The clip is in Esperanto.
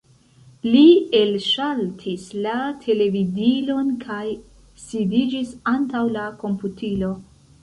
Li elŝaltis la televidilon kaj sidiĝis antaŭ la komputilo.